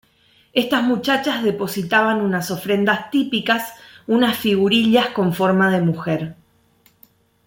Estas muchachas depositaban una ofrendas típicas, unas figurillas con forma de mujer.